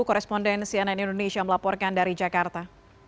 korespondensi ann indonesia melaporkan dari jakarta